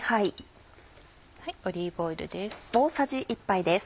オリーブオイルです。